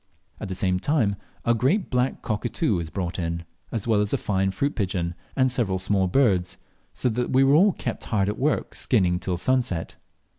At the same time a great black cockatoo was brought in, as well as a fine fruit pigeon and several small birds, so that we were all kept hard at work skinning till sunset.